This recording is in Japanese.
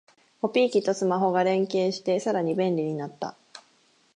コピー機とスマホが連携してさらに便利になった